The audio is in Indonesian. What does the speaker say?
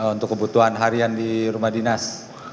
untuk kebutuhan harian di rumah dinas